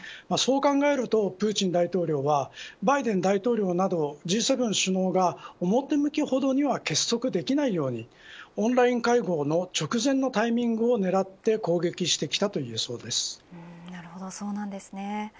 そう考えるとプーチン大統領はバイデン大統領などＧ７首脳が表向きほどには結束できないようにオンライン会合の直前のタイミングを狙ってそうなんですね。